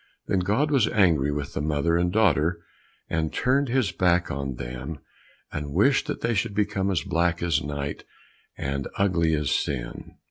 Then God was angry with the mother and daughter, and turned his back on them, and wished that they should become as black as night and as ugly as sin.